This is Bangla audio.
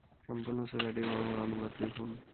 সম্পূর্ণ সূরাটির বাংলা অনুবাদ দেখুন।